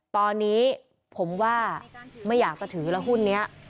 ตอนนี้ผมว่าไม่อยากจะถือแล้วหุ้นนี้